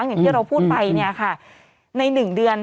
อย่างที่เราพูดไปใน๑เดือน